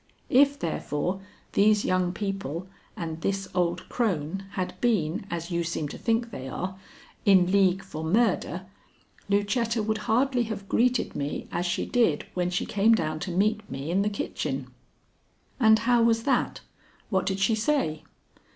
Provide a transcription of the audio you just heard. If, therefore, these young people and this old crone had been, as you seem to think they are, in league for murder, Lucetta would hardly have greeted me as she did when she came down to meet me in the kitchen." "And how was that? What did she say?"